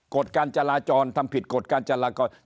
กฎการจราจรทำผิดกฎการจราจร